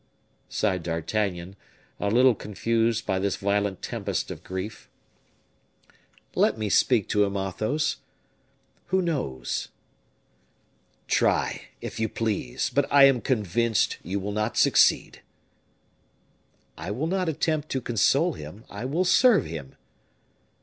"Humph!" sighed D'Artagnan, a little confused by this violent tempest of grief. "Let me speak to him, Athos. Who knows?" "Try, if you please, but I am convinced you will not succeed." "I will not attempt to console him. I will serve him."